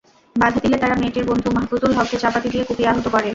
বাধা দিলে তারা মেয়েটির বন্ধু মাহফুজুল হককে চাপাতি দিয়ে কুপিয়ে আহত করে।